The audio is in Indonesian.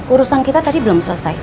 urusan kita tadi belum selesai